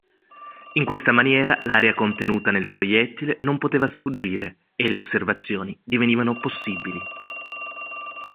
In questa maniera l'aria contenuta nel proiettile non poteva sfuggire e le osservazioni divenivano possibili.